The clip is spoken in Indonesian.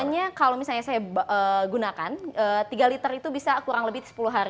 biasanya kalau misalnya saya gunakan tiga liter itu bisa kurang lebih sepuluh hari